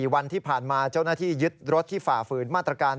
วันที่ผ่านมาเจ้าหน้าที่ยึดรถที่ฝ่าฝืนมาตรการ